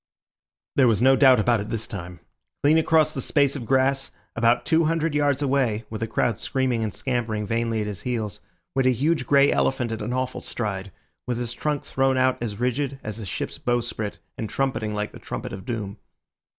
There was no doubt about it this time. Clean across the space of grass, about two hundred yards away, with a crowd screaming and scampering vainly at his heels, went a huge grey elephant at an awful stride, with his trunk thrown out as rigid as a ship's bowsprit, and trumpeting like the trumpet of doom.